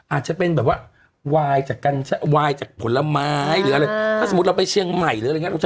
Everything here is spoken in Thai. อาจจะเป็นแบบว่าวายจากการวายจากผลไม้หรืออะไรถ้าสมมุติเราไปเชียงใหม่หรืออะไรอย่างนี้